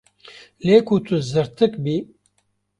Lê ku tu zirtik bî.